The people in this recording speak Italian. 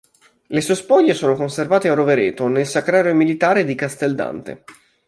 Le sue spoglie sono conservate a Rovereto nel Sacrario militare di Castel Dante.